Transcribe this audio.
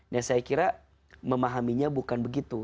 nah saya kira memahaminya bukan begitu